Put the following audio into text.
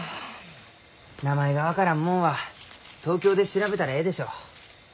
名前が分からんもんは東京で調べたらえいでしょう。